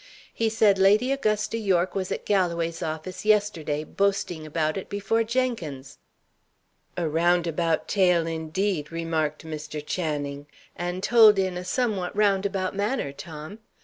He said Lady Augusta Yorke was at Galloway's office yesterday, boasting about it before Jenkins." "A roundabout tale, indeed!" remarked Mr. Channing; "and told in a somewhat roundabout manner, Tom.